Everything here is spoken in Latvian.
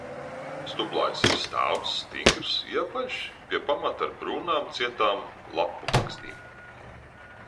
Stublājs ir stāvs, stingrs, ieapaļš, pie pamata ar brūnām, cietām lapu makstīm.